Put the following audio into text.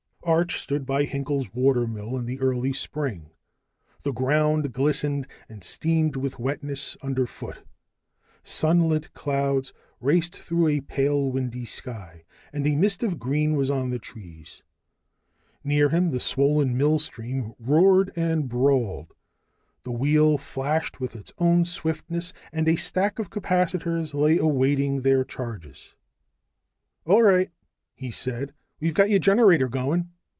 Arch stood by Hinkel's watermill in the early spring. The ground glistened and steamed with wetness underfoot, sunlit clouds raced through a pale windy sky, and a mist of green was on the trees. Near him the swollen millstream roared and brawled, the wheel flashed with its own swiftness, and a stack of capacitors lay awaiting their charges. "All right," he said. "We've got your generator going.